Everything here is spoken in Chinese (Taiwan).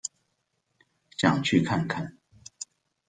想去看看